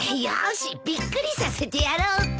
よしびっくりさせてやろう。